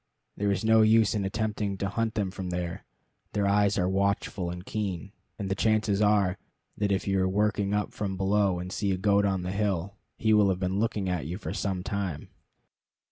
There is no use in attempting to hunt them from there. Their eyes are watchful and keen, and the chances are that if you are working up from below and see a goat on the hill, he will have been looking at you for some time.